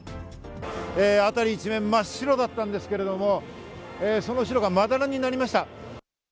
辺り一面真っ白だったんですけれども、その白がまだらになりました。